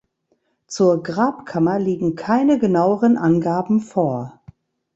Zur Grabkammer liegen keine genaueren Angaben vor.